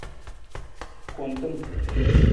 Kuntim.